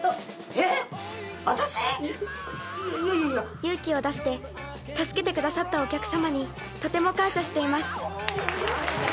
［勇気を出して助けてくださったお客さまにとても感謝しています］